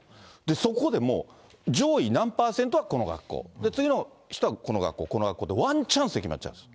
そこでもう、上位何パーセントはこの学校、次の人はこの学校、この学校、この学校ってワンチャンスで決まっちゃうんです。